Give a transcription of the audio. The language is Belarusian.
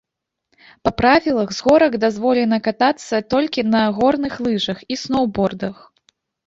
Па правілах, з горак дазволена катацца толькі на горных лыжах і сноўбордах.